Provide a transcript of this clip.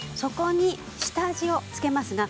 ここに下味を付けます。